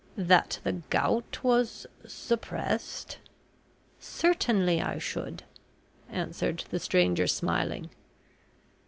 "That the gout was suppressed? certainly I should," answered the stranger, smiling.